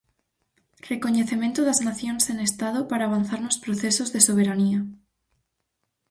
Recoñecemento das nacións sen estado para avanzar nos procesos de soberanía.